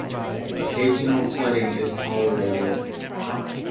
Occasional flooding is tolerated.